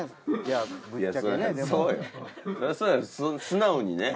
素直にね。